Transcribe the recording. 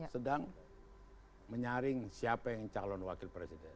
sedang menyaring siapa yang calon wakil presiden